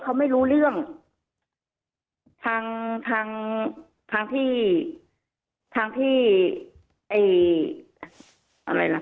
เขาไม่รู้เรื่องทางทางทางที่ทางพี่ไอ้อะไรล่ะ